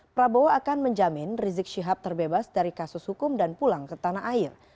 prabowo akan menjamin rizik syihab terbebas dari kasus hukum dan pulang ke tanah air